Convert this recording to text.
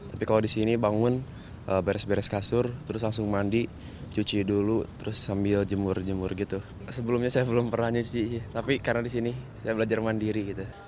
apa komentar mereka menghadapi keseharian ini